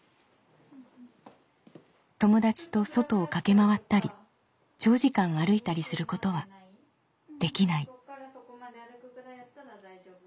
友達と外を駆け回ったり長時間歩いたりすることはできない。